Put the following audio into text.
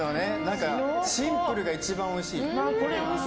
シンプルが一番おいしい。